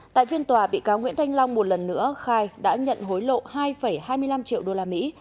tại phiên tòa bị cáo nguyễn thanh long một lần nữa khai đã nhận hối lộ hai hai mươi năm triệu usd